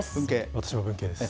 私も文系です。